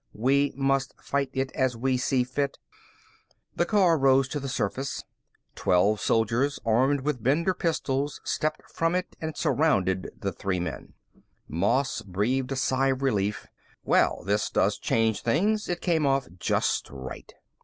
We must fight it as we see fit." The car rose to the surface. Twelve soldiers, armed with Bender pistols, stepped from it and surrounded the three men. Moss breathed a sigh of relief. "Well, this does change things. It came off just right."